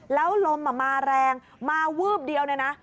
แล้วลมมาแรงมาวื้อบเดียวนะ